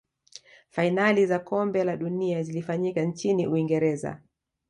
fainali za kombe la dunia zilifanyika nchini uingereza